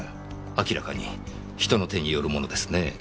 明らかに人の手によるものですねえ。